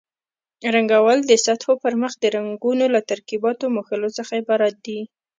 رنګول د سطحو پرمخ د رنګونو له ترکیباتو مښلو څخه عبارت دي.